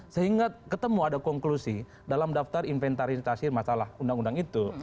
sehingga ketemu ada konklusi dalam daftar inventarisasi masalah undang undang itu